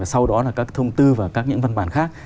sau đó là các thông tư và các những văn bản khác